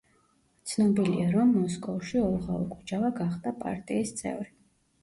ცნობილია, რომ მოსკოვში ოლღა ოკუჯავა გახდა პარტიის წევრი.